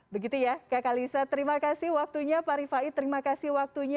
begitu ya kakak lisa terima kasih waktunya pak rifai terima kasih waktunya